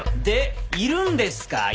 でいるんですか？